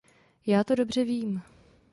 Já to dobře vím.